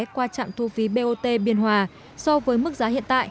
qua trạm thu phí bot biên hòa so với mức giá hiện tại